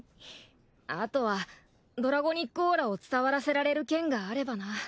あとはドラゴニックオーラを伝わらせられる剣があればな。